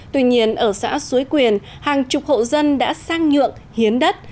tuy nhiên ở xã suối quyền hàng chục hộ dân đã sang nhượng hiến đất